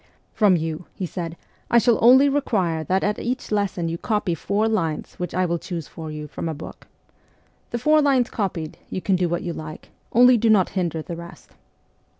' From you,' he said, ' I shall only require that at each lesson you copy four lines which I will choose for you from a book. The four lines copied, you can do what you like ; only do not hinder the rest.